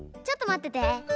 ちょっとまってて。